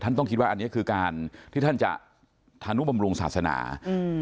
ต้องคิดว่าอันนี้คือการที่ท่านจะธานุบำรุงศาสนาอืม